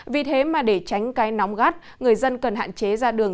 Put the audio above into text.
vì thế mà để tránh cái nóng gắt người dân cần hạn chế ra đường